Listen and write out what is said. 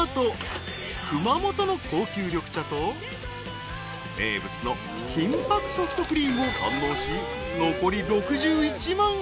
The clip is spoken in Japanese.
［熊本の高級緑茶と名物の金箔ソフトクリームを堪能し残り６１万円］